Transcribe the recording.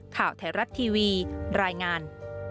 ข่าวไทยรัฐทีวีรายงาน